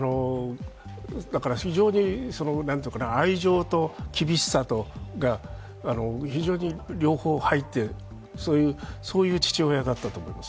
非常に愛情と厳しさとが両方入って、そういう父親だったと思います。